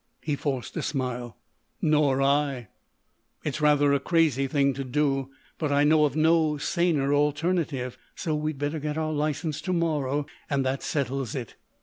He forced a smile. "Nor I. It's rather a crazy thing to do. But I know of no saner alternative.... So we had better get our license to morrow.... And that settles it."